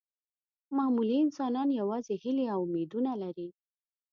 معمولي انسانان یوازې هیلې او امیدونه لري.